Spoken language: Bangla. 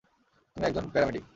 তুমি একজন প্যারামেডিক।